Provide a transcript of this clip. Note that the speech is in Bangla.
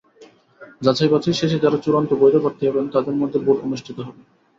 যাচাই-বাছাই শেষে যাঁরা চূড়ান্ত বৈধ প্রার্থী হবেন, তাঁদের মধ্যে ভোট অনুষ্ঠিত হবে।